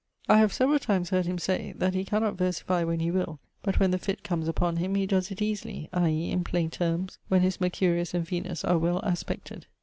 I have severall times heard him say, that he cannot versify when he will; but when the fitt comes upon him, he does it easily, i.e. in plaine termes, when his Mercurius and Venus are well aspected.